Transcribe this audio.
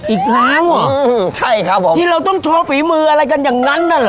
อีกครั้งเหรอใช่ครับผมที่เราต้องโชว์ฝีมืออะไรกันอย่างนั้นน่ะเหรอ